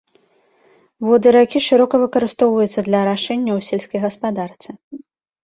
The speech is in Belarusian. Воды ракі шырока выкарыстоўваюцца для арашэння ў сельскай гаспадарцы.